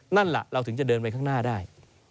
นั่นแหละเราถึงจะเดินไปข้างหน้าได้